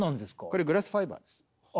これグラスファイバーです。